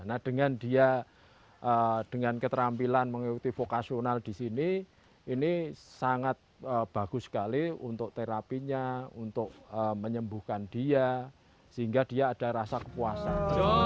nah dengan dia dengan keterampilan mengikuti vokasional di sini ini sangat bagus sekali untuk terapinya untuk menyembuhkan dia sehingga dia ada rasa kepuasan